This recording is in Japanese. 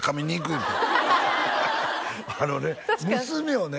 言うてあのね娘をね